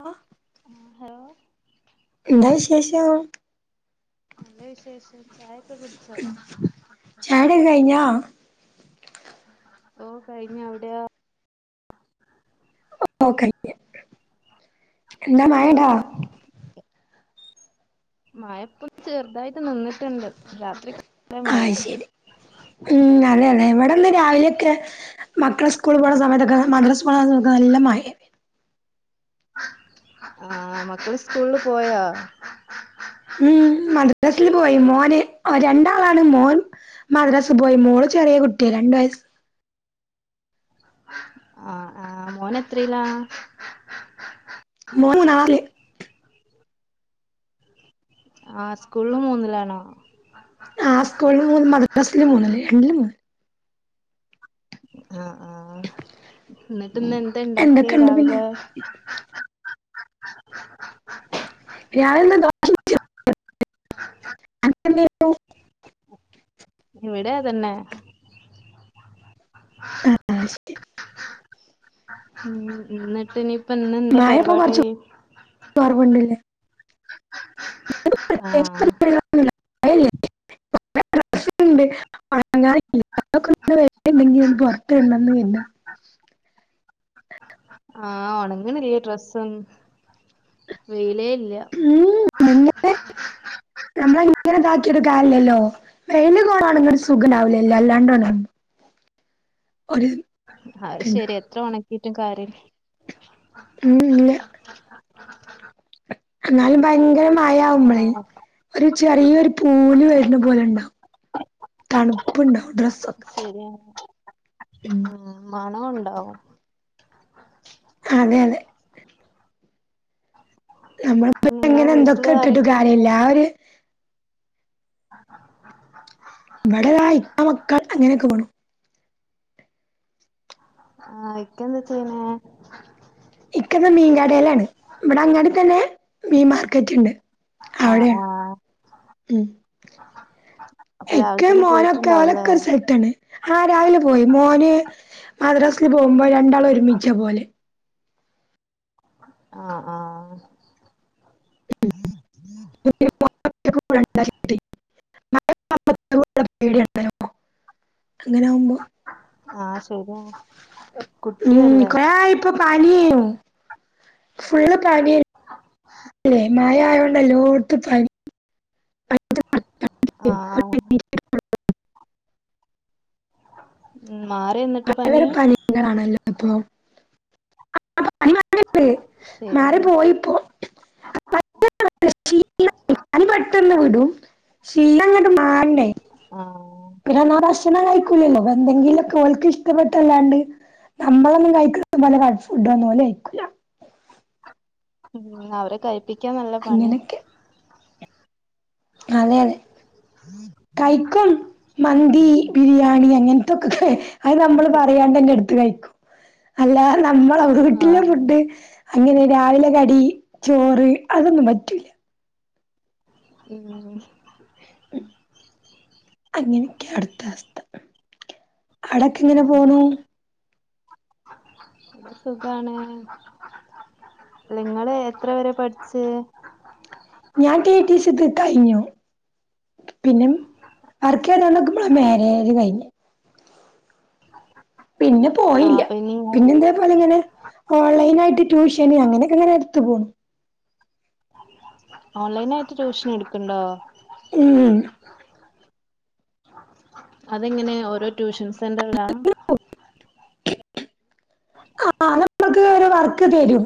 ആ ആ ഹലോ എന്താ വിശേഷം നല്ലേ വിശേഷം ചായ ചായ കുടിഒക്കെ കഴിഞ്ഞോ ഓ കഴിഞ്ഞു അവിടെയോ? ഓ കഴിഞ്ഞ്എന്താ മഴണ്ടോ? മഴപ്പൊ ചെറുതായിട്ട് നിന്നിട്ടുണ്ട് രാത്രി ഒക്കെ നല്ല ആഹ് മഴയ ശരി ഉം അതെ അതെ ഇവിടെന്ന് രാവിലെയൊക്കെ മക്കൾ സ്കൂൾ പോണ സമയത്ത്ഒക്കെ മദ്രസ്പോണ സമത്ത് നല്ല മഴേ ആ മക്കള് സ്കൂള് പോയോ മ് മദ്രസിൽ പോയി, മോന് ഒരരണ്ടാളാണ് മോൻ മദ്രസ പോയി മോള് ചെറിയ കുട്ടിയാ രണ്ട് വയസ്സ് ആ ആ മോന് എത്രയിലാ മോന് മൂന്നാമത്തെ ആ സ്കൂൾലും മൂന്നിലാണോ ആ സ്കൂളിൽ മൂന്ന് മദ്രസയിലും മൂന്നില് രണ്ടിലും മൂന്നില് ആ ആ ന്നിട്ട് ഇന്ന് എന്താ ഇണ്ടാക്കി എന്തൊക്കെണ്ട് പിന്നെ രാവിലെ രാവിലെ ദോശ അൻക്കെ എന്തേന്നു ഇവിടെ അതെന്നെ അ ആ അത് ശരി ഉം ഇന്നിട്ട് ഇനിപ്പ ഇന്ന് എന്താ പരിപാടി [unintelligible] പരിപാടി ആ ഒന്നും ഇല്ല മഴ അല്ലെ കൊറേ ഡ്രസ്സ്‌ ഇണ്ട് ഒണങ്ങാൻ ഇണ്ട് [unintelligible] ഒന്ന് വെയില് ഇണ്ടങ്കി പൊറത്ത് ഇടാണെന്ന് [unintelligible] [unintelligible] ആ ഒണങ്ങ്ണില്ല ഡ്രസ്സ് ഒന്നും വെയിലേ ഇല്ല്യാ ഉ എങ്ങനെ നമ്മള എങ്ങനെ ഇതാക്കിട്ടും കാര്യല്ലല്ലോ വെയിന് കോണാണെങ്ങട് സുഖണ്ടാവുലല്ലേ അല്ലാണ്ട് [unintelligible] ഒര് അഹ് ശെരി എത്ര ഉണക്കിട്ടും കാര്യം ഉം ഇല്ല എന്നാലും ഭയങ്കര മഴ ആവുമ്പളെ ആ ഒരു ചെറിയൊരു പൂല് വരുണ പോലെ ഉണ്ടാവും തണുപ്പുണ്ടാവും ഡ്രസ്സൊക്കെ ശരിയാണ് ഉം. ഉ മണം ഉണ്ടാവോ അതെ അതെ നമ്മള് [inaudible] നിങ്ങളെ എങ്ങനെ വീട്ടില് എന്തൊക്കെ ഇട്ടിട്ട് ആരൊക്കെണ്ട് കാര്യല്ല്യ ആ ഒര് ഇവട ഇള്ള ആള് ഇപ്പ മക്കൾ അങ്ങനൊക്കെ പോണ് ആ ഇക്കന്താ ചെയ്യ്ണേ ഇക്കന്ന് മീൻ കടേലാണ് ഇവടെ അങ്ങാടി തന്നെ മീൻ മാർക്കറ്റ് ഇണ്ട് ആ ആ ഉം അപ്പൊ രാവിലെ ഇക്കയും തന്നെ മോനൊക്കെ പോയിട്ടുണ്ടാവൂലേ ഓലൊക്ക ഒരു സെറ്റ് ആണ് ആ രാവിലെ പോയി മോന് മദ്രാസില് പോകുമ്പോ രണ്ടാള് ഒരുമിച്ചാ പോവല് ആ ആ [inaudible] പേടി [inaudible] അങ്ങനെ ആവുമ്പോ ആ ശരി ആവും ഉം കൊറായി ഇപ്പൊ പാനിയും ഫുള്ള് പനി [unintelligible] [inaudible] ഇല്ലേ മഴ ആയോണ്ട് എല്ലോടുത്തും പനി ആഹ് [inaudible] ഉം മാറിയൊന്നിട്ട് പനി അങ്ങനെ ആണല്ലോ ഇപ്പൊ [inaudible] മാറി ശരിയാണ് പോയിപ്പോ [unintelligible] [inaudible] [inaudible] പനി പെട്ടന്ന് വിടും ക്ഷീണം അങ്ങട്ട് മാറണ്ടേ ആ പിന്നെന്നാ ഭക്ഷണം കഴിക്കൂലല്ലോ എന്തെങ്കിലു ഒക്കെ ഓൽക്ക് ഇഷ്ടപ്പെട്ടല്ലാണ്ട് നമ്മളൊന്നും കഴിക്കൂ നല്ല [unintelligible] ഫുഡ് ഒന്നും ഓല് കഴിക്കൂല ഉം അവരെ കഴിപ്പിക്കാൻ നല്ല പണിയ അങ്ങനെയൊക്കെ അതെ അതെ കഴിക്കും മന്തി ഉം ബിരിയാണി അങ്ങൻ ത്തൊക്ക അത് നമ്മള് പറയാണ്ടന്നേ എടുത്ത് കഴിക്കും അല്ലാ നമ്മള വീട്ടില ആഹ് ഫുഡ് അങ്ങനെ രാവിലെ കടി ചോറ് അതൊന്നും പറ്റൂല ഉം അങ്ങനെയൊക്കെ അടുത്തവസ്ഥ ഉം സുഖാണ് ല്ല ഇങ്ങള് എത്ര വരെ പഠിച്ച് ഞാൻ ടീ ടീ സി ഒക്കെ കഴിഞ്ഞു പിന്നെ വർക്ക് ചെയ്തൂണ്ട്ക്കുമ്പോ മേരേജ് കഴിഞ്ഞ് പിന്നെ ആഹ് പോയീല്ല അപ്പൊ ഇനി പിന്നെ എന്തേ അതങ്ങനെ ഓൺലൈനായിട്ട് ട്യൂഷന് അങ്ങനൊക്കെ ഇങ്ങനെ എടുത്ത് പോണു ഓൺലൈൻ ആയിട്ട് ട്യൂഷൻ എടുക്ക്‌ണ്ടോ ഉം [inaudible] അതെങ്ങനെ ഓരോ ട്യൂഷൻ സെന്ററിലാ ആ [inaudible] ഒരു വർക്ക് തരും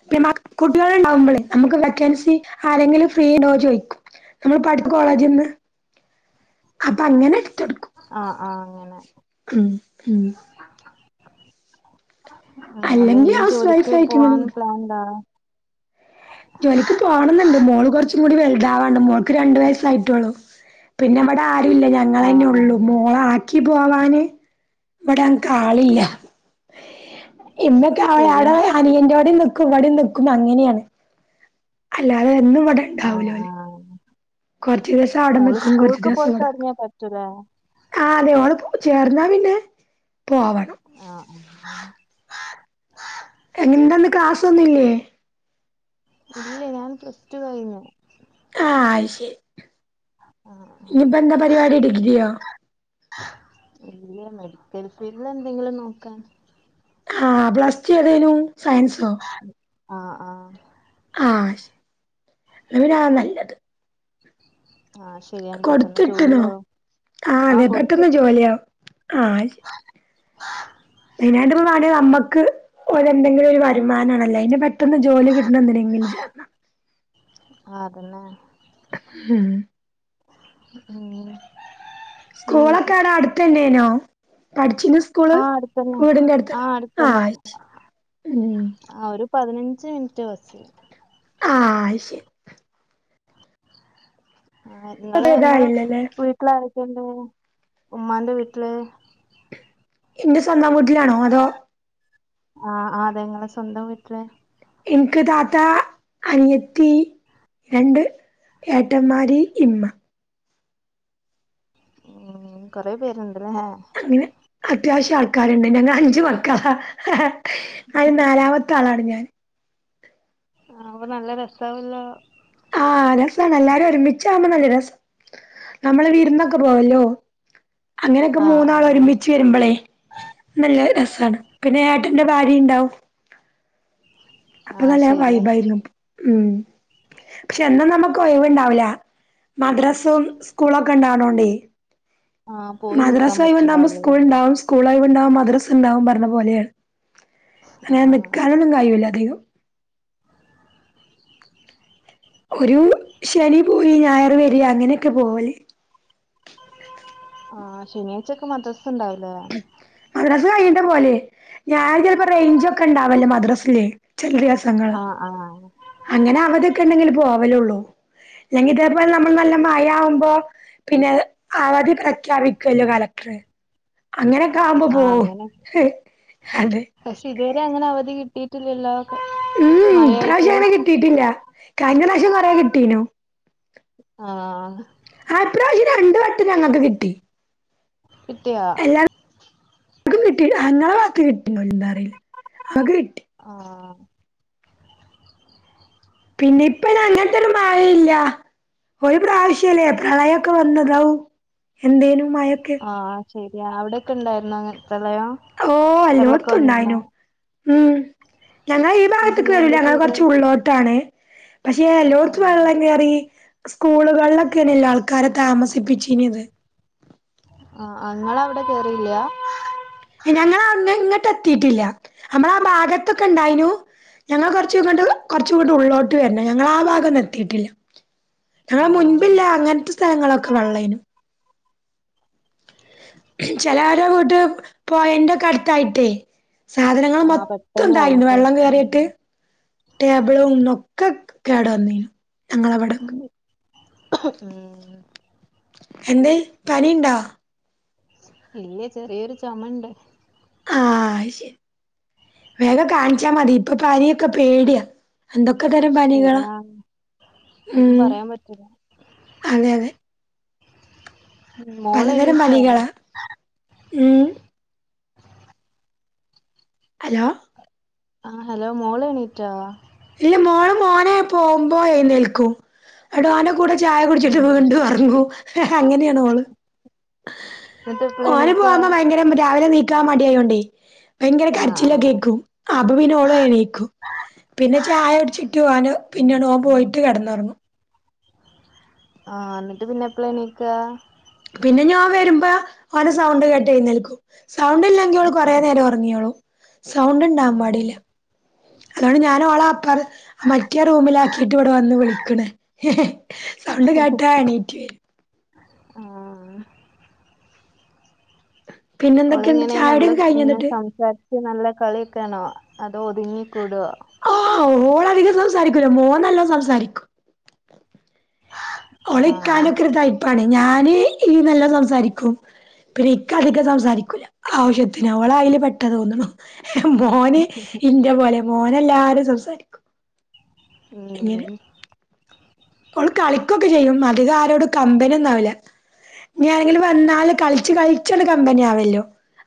[unintelligible] കുട്ടികളുണ്ടാവുമ്പോളെ നമുക്ക് വേക്കൻസി ആരെങ്കിലും ഫ്രീ ഡോന്ന് ചോയിക്കും നമ്മൾ പഠിച്ച കോളേജ്ന്ന് അപ്പൊ അങ്ങനെ എടുത്തടു ആഹ് ആഹ് അങ്ങനെ ഉം ഉം ഉം അല്ല അല്ലെങ്കി ഇനി ഹൗസ് വൈഫ് ജോലിക്ക് ആയിട്ട് ഇങ്ങനെ പോവാൻ വിടും പ്ലാൻണ്ടാ ജോലിക്ക് പോവണംന്ന്ണ്ട് മോള് കാെറച്ചുകൂടി വെൽതാവാണ്ട് മോൾക്ക് രണ്ട് വയസ്സായിട്ടൊള്ളു പിന്നെ ഇവിടെ ആരുല്ല ആഹ് ഞങ്ങളന്നെ ഒള്ളു ആഹ് മോളെ ആക്കി പോവാന് ഇവടെ അൻക്കാളില്ല ഇമ്മക്കെ ശരി [unintelligible] അനിയൻൻ്റോടേം നിക്കും ഇവിടേം നിക്കും അങ്ങനെയാണ് അല്ലാതേ എന്നും ഇവിടെ ആഹ് ഉണ്ടാവലോല്ലേ ആഹ് കൊറച്ച് ദിവസം അവിടെ നിക്കും കൊറച്ച് ദിവസം ഇവിടെ നിക്കും നിയ പറ്റൂലേ ആഹ് അതെ ഓള് പോ ചേർന്നാ പിന്നെ പോവണം ആഹ് ആഹ് എന്തന്ന ക്ലാസൊന്നുംല്ലേ ഇല്ലേ ഞാൻ പ്ലസ്ടു കയിഞ്ഞു ആഹ് അത് ശരി ഇനിപ്പോ ന്താ പരിപാടി ഡിഗ്രിയോ ഇനി മെഡിക്കൽ ഫീൽഡിൽ എന്തെങ്കിലും നോക്കാൻ ആഹ് ബ്ലസ്റ്റുഏതേനു സയൻസോ ആഹ് ആഹ് ആഹ് ന്നാ പിന്നെ അതാ നല്ലത് ആഹ് ശരി കൊടുത്ത്ട്ട്ണോ ആഹ് അതെ പെട്ടെന്ന് ജോലിയാവും ആഹ് അത് ശെ മെയിൻ ആയിട്ട് വേണേ നമ്മക്ക് ഓരെ എന്തെങ്കിലും ഒരു വരുമാനാണല്ലോ അയിനെ പ പെട്ടന്ന് ജോലി കിട്ടണ എന്തിനെങ്കിലും ചേരണം ആഹ് തന്നെ ഉം അങ്ങനെ സ്കൂളൊക്കെ ആട അടുത്തന്നെനോ പഠിച്ചിന്ന സ്കൂള് ആഹ് അടുത്തന്നെ വീട്ന്റെ അടുത്താണ് ആഹ് അടുത്തന്നെ ആഹ് അത് ശെരി ഉം ആഹ് ഒരു പതിനഞ്ച് മിനിറ്റ് ബസിന് ആഹ് അയ്ശരി ആഹ് ങ്ങള് ങ്ങളെ ഇതായില്ലല്ലേ വീട്ടില് ആരൊക്കെയിണ്ട് ഉമ്മാന്റെ വീട്ടില് ഇന്റെ സ്വന്തം വീട്ടിലാണോ അതോ ആഹ് ആതെ ങ്ങളെ സ്വന്തം വീട്ടില് ഇനിക്ക് താത്ത അനിയത്തി രണ്ട് ഏട്ടന്മാര് ഇമ്മ ഉം കൊറെ പേര്ണ്ട്ല്ലേ അങ്ങനെ അത്യാവശ്യം ആൾക്കാരുണ്ട് ഞങ്ങള് അഞ്ചു മക്കള അന് നാലാമത്തെ ത്താളാണ് ഞാൻ ആഹ് അപ്പൊ നല്ല രസാവല്ലോ ആഹ് രസാണ് എല്ലാരും ഒരുമിച്ച ആമ്പോ നല്ല രസം നമ്മള് വീരന്നൊക്കെ പോവല്ലോ അങ്ങനൊക്കെ ആഹ് മൂന്നാള് ആഹ് ഒരുമിച്ച് തീരുമ്പളേ നല്ല രസാണ് പിന്നെ ഏട്ടന്റെ ഭാരിണ്ടാവും അപ്പൊ ആഹ് നല്ല ശെരിയാ വൈബായിരുന്നു ഉം പക്ഷെ എന്നും നമുക്ക് ഒയിവുണ്ടാവില്ല മദ്രസും സ്കൂളൊക്കെ ഇണ്ടാവണോണ്ടേ ആഹ് പോയി മദ്രസ നിക്കാൻ ഒഴിവുണ്ടാവുമ്പോ പറ്റ്ണ്ടാവില്ലല്ലേ സ്കൂള് ഇണ്ടാവും സ്കൂളോഴിവ് ണ്ടാവുമ്പോ മദ്രസ ഇണ്ടാവും പറഞ്ഞ പോലെയാണ്. അങ്ങനെ ആഹ് നിക്കാനൊന്നും കഴിവില്ല അധികം ഒരു ശനി പോയി ഞായർ വരിയ അങ്ങനെയൊക്കെ പോവല്. ആ ശനിയാഴ്ചൊക്കെ മദ്രസ ണ്ടാവൂലെ? മദ്റസ് കഴിഞ്ഞിട്ടാ പോവല് ഞാൻ ചെലപ്പോ റേഞ്ച് ഒക്കെ ണ്ടാവല്ലോ മദ്റസില് ചെല ദിവസങ്ങൾ ആഹ് ആഹ് അങ്ങനെ അവധിയൊക്കെ ണ്ടെങ്കിൽ പോവലുള്ളൂ ല്ലെങ്കി ഇതേ പോലെ നമ്മൾ നല്ല മയാ വുമ്പൊ പിന്നെ അവധി പ്രഖ്യാപിക്കുവല്ലോ കളക്ടർ അങ്ങനൊക്കാവുമ്പോ ആഹ് പോവും അങ്ങനെ അതെ പക്ഷെ ഇതുവരെ അങ്ങനെ അവധി കിട്ടിയിട്ടില്ലല്ലോ ഉം മഴയായിട്ട് ഇപ്രാവശ്യം അങ്ങനെ കിട്ടിയിട്ടില്ല. കഴിഞ്ഞ പ്രാവശ്യം കൊറേ കിട്ടീനു. ആഹ് ആ ഇപ്രാവശ്യം രണ്ട് വട്ടം ഞങ്ങക്ക് കിട്ടി. കിട്ടിയോ എല്ലാർക്കും കിട്ടി അങ്ങളെ വാത്തു കിട്ടണിണ്ടോ അറീല നങ്ങക്ക് കിട്ടി ആഹ് പിന്നെ ഇപ്പയിന് അങ്ങനത്തെ ഒരു മഴയില്ല ഒരു പ്രാവശ്യല്ലേ പ്രളയൊക്കെ വന്നത് ഔ എന്തേനു. മഴൊക്കെ ആഹ് ശരിയാ അവിടൊക്കെ ണ്ടായിരുന്നോ അങ്ങ പ്രളയം. ഓ വെള്ളൊക്കെ വന്നിരുന്നോ അല്ലോട്ത്തുണ്ടായിനു ഉം ഞങ്ങളെ ഈ എന്നിട്ട് ഭാഗത്ത്ക്ക് വരൂല ഇങ്ങളെന്താ ഞങ്ങൾ ചെയ്തേ കുറച്ച് ഉള്ളോട്ടാണ്. പക്ഷേ എല്ലോടത്തും ആഹ് വെള്ളം കേറി സ്കൂളുകളിലൊക്കെന്നല്ലോ ആൾക്കാരെ താമസിപ്പിച്ചീനത്. ആ ങ്ങളെവിടെ കേറില്യ ഞങ്ങളന്ന് ഇങ്ങട്ട് എത്തിയിട്ടില്ല അമ്മള ആ ഭാഗത്തൊക്കെ ഇണ്ടായിനു. ഞങ്ങള് കൊറച്ചുങ്ങട്ട് കൊറച്ചുങ്ങട്ട് ഉള്ളോട്ട് വരണം ഞങ്ങളാ ഭാഗൊന്നും എത്തിയിട്ടില്ല. ഞങ്ങള ആഹ് മുൻപില്ല അങ്ങനത്തെ സ്ഥലങ്ങളൊക്കെ വെള്ളേനും. ചേലോരെ വീട് പൊയന്റൊക്കെ അടുത്തായിട്ടേ? സാധനങ്ങല് ആഹ് മൊത്തം പെട്ടെന്ന് ന്തായിനു വെള്ളം കേറും കേറീട്ട്. ടേബിളും ഒക്കെ കേട് വന്ന് ഞങ്ങളിവിടൊക്കെ ഉം എന്തേയ് പനിണ്ടോ? ഇല്ലെയ്‌ ചെറിയൊരു ചൊമണ്ട്. അയ്ശേരി വേഗം കാണിച്ചാ മതി ഇപ്പൊ പനിയൊക്കെ പേടിയാ എന്തൊ ക്കെ തരം പനികളാ ശരിയാണ് ഉം ഒന്നും പറയാൻ പറ്റില്ല അതെയതെ മോള് പലതരം എണീറ്റോ പനികള ഉം ഹലോ? ആഹ് ഹലോ മോളെ ണീറ്റാ ഇല്ല മോള് മോനെ പോകുമ്പോ എയ്ന്നേൽക്കും. ന്നട്ട് ഓന്റെ കൂടെ ചായ കുടിച്ചിട്ട് ആഹ് വീണ്ടും ഒറ ങ്ങും അങ്ങനെയാണ് ഓള്. എന്നിട്ട് എപ്പളാ ഓന് എണീക്കാ പോകുമ്പോ ഭയങ്കരം രാവിലെ നീക്കാൻ മടി ആയോണ്ടേ? ഭയങ്കര ആഹ് ആഹ് കരച്ചിലൊക്കെക്കും അപ്പോപ്പിന്നെ ഓളും എണീക്കും. പിന്നെ ചായ കുടിച്ചിട്ട് ഓന് പിന്നെണ് ഓൻ പോയിട്ട് കിടന്ന് ഒറങ്ങും. ആഹ് ന്നട്ട് പിന്നെ എപ്പള എണീക്കാ പിന്നെ ഞാൻ വരുമ്പോ ഓരോ സൗണ്ട് കേട്ട് എയ്ന്നേൽക്കും സൗണ്ട്ല്ല ങ്കി ഓള് കൊറേ നേരം ഒറങ്ങിയോ സൗണ്ട് ണ്ടാകാൻ ആഹ് പാടില്ല. അതോണ്ട് ഞാനൊളെ അപ്പറ് മറ്റേ റൂമിലാക്കിട്ട് ഇവിടെ വന്ന് വിളിക്കണേ സൗണ്ട് കേട്ടാ എണീറ്റ് വരും. ആഹ് പിന്നെ എന്തൊക്കെയുണ്ട് ഒളിങ്ങനെ നല്ല ചായുടിയൊക്കെ കഴിഞ്ഞോ ഇങ്ങനെ എന്നിട്ട് സംസാരി ച്ച് നല്ല കളിയൊക്കാണോ അതോ ഒതുങ്ങിക്കൂടൊ? ആഹ് ഓളധികം സംസാരിക്കൂല മോൻ നല്ലോം സംസാരിക്കും. ഓള് ആഹ് ഇക്കാന്റൊക്കൊരു ടൈപ്പാണേ ഞാന് ഈ നല്ല സംസാരിക്കും പിന്നെ ഇക്ക അധികം സംസാരിക്കൂല ആവശ്യത്തിന് അവള് അയില് പെട്ട തോന്നണു മോന് ഇന്റെ പോലെ മോന് എല്ലാരും സംസാരിക്കും. അങ്ങനെ ഉം ഓള് കളിക്കൊക്കെ ചെയ്യും അതികം ആരോട് കമ്പനിയൊന്നും ആവില്ല ഞാരെങ്കില് വന്നല് കളി ച്ച് കളിച്ച് കമ്പനി ആവല്ലോ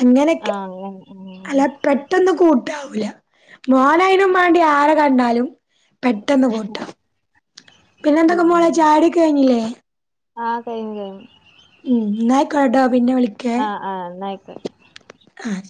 അങ്ങനക്കെ ആഹ് അങ്ങനെ ഉം അല്ല പെ പെട്ടെന്ന് കൂട്ടാവൂല്ല മോന് അയിനു വേണ്ടി ആര കണ്ടാലും പെട്ടെന്ന് കൂട്ടാവു പിന്നെ എന്തൊക്കെ മോളെ ഉം ചായൊടിക്കെ കഴിഞ്ഞില്ലേ ആഹ് കഴിഞ്ഞ് കഴിഞ്ഞ് ഉം എന്നായിക്കോടാ പിന്നെ വിളിക്കേ ആഹ് ആഹ് എന്നാ ആയിക്കോട്ടെ ആഹ്